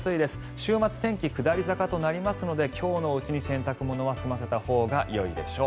週末、天気下り坂となりますので今日のうちに洗濯物は済ませたほうがよいでしょう。